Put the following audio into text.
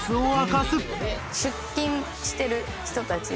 出勤してる人たち。